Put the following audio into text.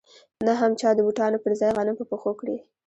نه هم چا د بوټانو پر ځای غنم په پښو کړي